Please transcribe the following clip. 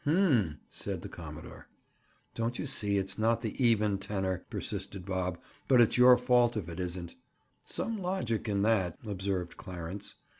"Hum?" said the commodore. "Don't you see it's not the even tenor?" persisted Bob. "But it's your fault if it isn't." "Some logic in that," observed Clarence.